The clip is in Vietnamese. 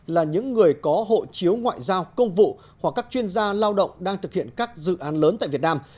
là những người có hộ chiếu ngoại giao công vụ hoặc các chuyên gia lao động đang thực hiện các dự án lớn tại việt nam